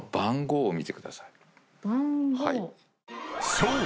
［そう。